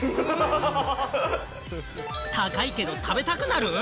高いけど食べたくなる？